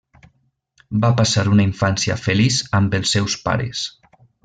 Va passar una infància feliç amb els seus pares.